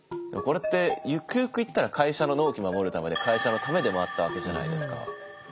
これってゆくゆくいったら会社の納期守るためで会社のためでもあったわけじゃないですか。